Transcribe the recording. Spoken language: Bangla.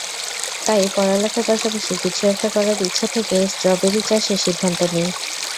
তাই পড়ালেখার পাশাপাশি কিছু একটা করার ইচ্ছে থেকেই স্ট্রবেরি চাষের সিদ্ধান্ত নিই।